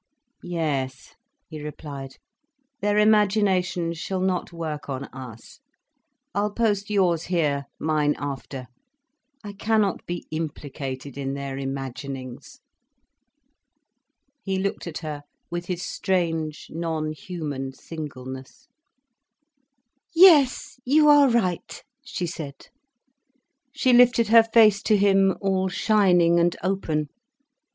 "Yes," he replied. "Their imaginations shall not work on us. I'll post yours here, mine after. I cannot be implicated in their imaginings." He looked at her with his strange, non human singleness. "Yes, you are right," she said. She lifted her face to him, all shining and open.